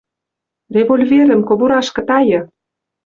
«Револьверӹм кобурашкы тайы.